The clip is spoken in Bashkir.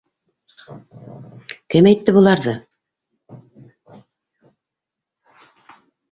Кем әйтте быларҙы?